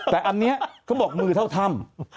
แต่อันนี้เขาบอกมือเท่าถ้ำ